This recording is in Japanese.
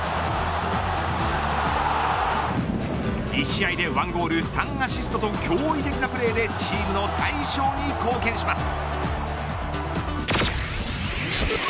１試合で１ゴール３アシストと驚異的なプレーでチームの大勝に貢献します。